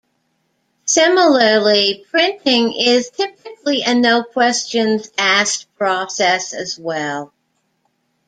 Similarly, printing is typically a 'no questions asked' process, as well.